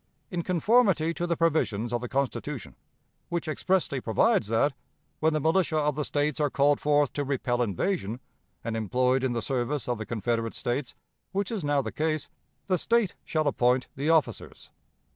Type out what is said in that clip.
In conformity to the provisions of the Constitution, which expressly provides that, when the militia of the States are called forth to repel invasion, and employed in the service of the Confederate States, which is now the case, the State shall appoint the officers.